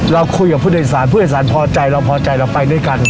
เราคุยกับผู้โดยสารผู้โดยสารพอใจเราพอใจเราไปด้วยกัน